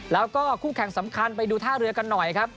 แล้วก็คู่แข่งสำคัญไปดูท่าเรือกันหน่อยครับ